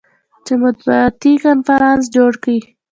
چې مطبوعاتي کنفرانس جوړ کي.